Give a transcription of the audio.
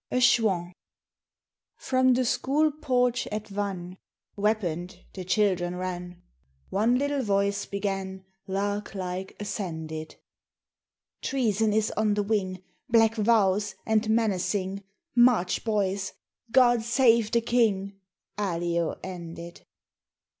A CHOUAN. FROM the school porch at Vannes Weaponed, the children ran; One little voice began, Lark like ascended: 'Treason is on the wing, Black vows, and menacing: March, boys! God save the King!' Allio ended.